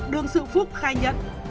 đương sự phúc khai nhận